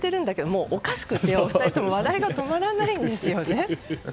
もうおかしくてお二人とも笑いが止まらないんですよね。